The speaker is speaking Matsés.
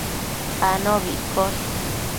anobi iccosh